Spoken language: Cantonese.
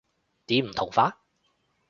點唔同法？